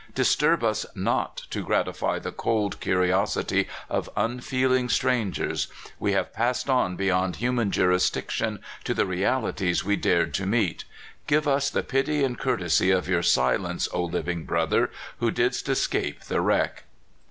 Dis turb us not to gratify the cold curiosity of unfeel ing strangers. We have passed on beyond hu man jurisdiction to the realities we dared to meet. Give us the pity and courtesy of 3^our silence, O Hving brother, who didst escape the wreck!"